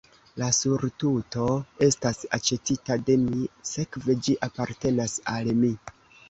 La surtuto estas aĉetita de mi, sekve ĝi apartenas al mi.